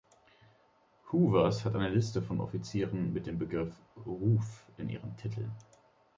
Hoover's hat eine Liste von Offizieren mit dem Begriff „Ruf“ in ihren Titeln.